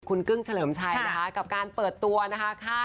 คุณกึ้งเฉลิมชัยนะคะกับการเปิดตัวนะคะ